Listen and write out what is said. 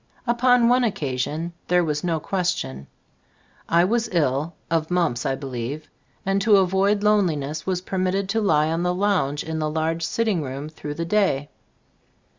Upon one occasion there was no question. I was ill (of mumps, I believe) and to avoid loneliness was permitted to lie on the lounge in the large sitting room H2 Gbe Storg of Ag Gbtttbooft through the day.